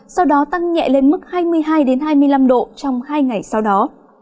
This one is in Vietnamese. sau đó tăng nhẹ lên mức hai mươi hai hai mươi năm độ trong hai ngày sau đó